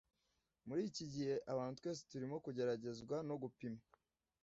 Muri iki gihe abantu twese turimo kugeragezwa no gupimwa